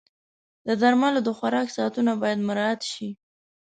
د درملو د خوراک ساعتونه باید مراعت شي.